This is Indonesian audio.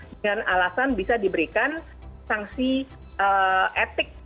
dengan alasan bisa diberikan sanksi etik